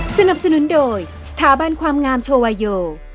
สนับสนุนโดยสถาบันความงามโชวาโย